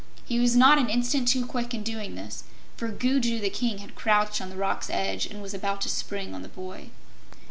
He was not an instant too quick in doing this, for Gugu the King had crouched on the rock's edge and was about to spring on the boy.